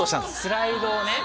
スライドをね。